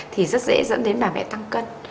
thì rất dễ dẫn đến bà mẹ tăng cân